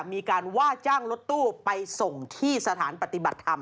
มีการว่าจ้างรถตู้ไปส่งที่สถานปฏิบัติธรรม